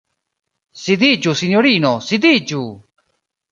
Sidiĝu, sinjorino, sidiĝu!